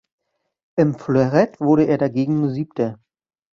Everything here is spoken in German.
Im Florett wurde er dagegen nur siebter.